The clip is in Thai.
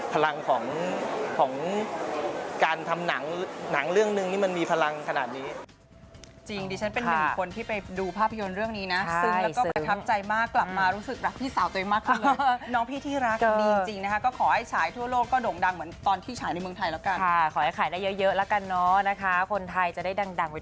พลังของการทำหนังเรื่องนึงนี่มันมีพลังขนาดนี้